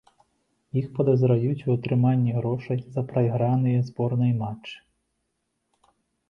Іх падазраюць у атрыманні грошай за прайграныя зборнай матчы.